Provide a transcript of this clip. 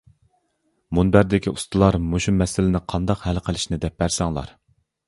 مۇنبەردىكى ئۇستىلار مۇشۇ مەسىلىنى قانداق ھەل قىلىشنى دەپ بەرسەڭلار.